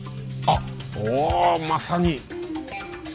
あっおまさに。